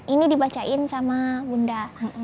ini dibacain sama bunda